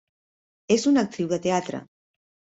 És una actriu de teatre.